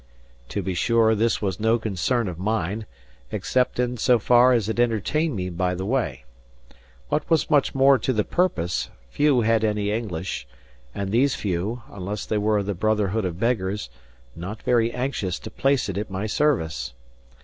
To be sure, this was no concern of mine, except in so far as it entertained me by the way. What was much more to the purpose, few had any English, and these few (unless they were of the brotherhood of beggars) not very anxious to place it at my service.